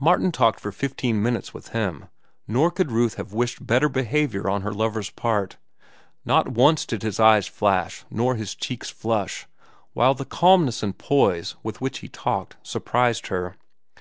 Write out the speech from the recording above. Martin talked for fifteen minutes with him, nor could Ruth have wished better behavior on her lover's part. Not once did his eyes flash nor his cheeks flush, while the calmness and poise with which he talked surprised her.